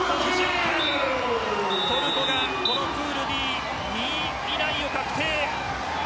トルコはこのプールＢ２位以内を確定しました。